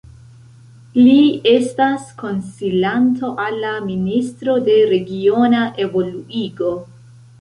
Li estas konsilanto al la Ministro de Regiona Evoluigo.